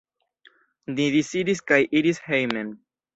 Ni disiris kaj iris hejmen.